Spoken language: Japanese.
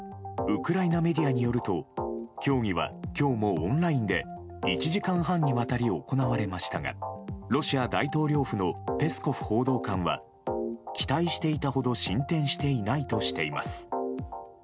ウクライナメディアによると協議は今日もオンラインで１時間半にわたり行われましたがロシア大統領府のペスコフ報道官は期待していたほど進展していないとしています。